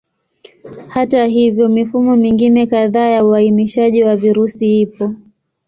Hata hivyo, mifumo mingine kadhaa ya uainishaji wa virusi ipo.